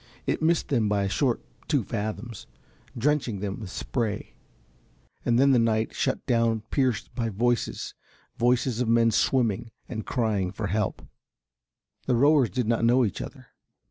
It missed them by a short two fathoms, drenching them with spray, and then the night shut down pierced by voices, voices of men swimming and crying for help. The rowers did not know each other.